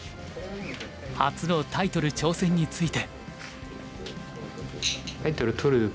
初のタイトル挑戦について。